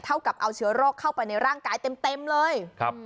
กับเอาเชื้อโรคเข้าไปในร่างกายเต็มเลยครับ